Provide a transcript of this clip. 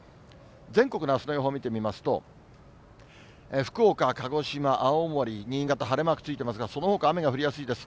全国のあすの予報を見てみますと、福岡、鹿児島、青森、新潟、晴れマークついてますが、そのほか雨が降りやすいです。